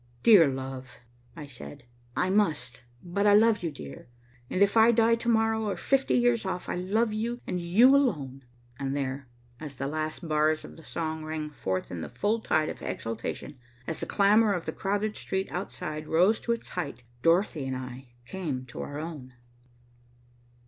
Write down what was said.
"Dear love," I said, "I must, but I love you, dear, and if I die to morrow or fifty years off, I love you and you alone," and there, as the last bars of the song rang forth in the full tide of exaltation, as the clamor of the crowded street outside rose to its height, Dorothy and I came to our own.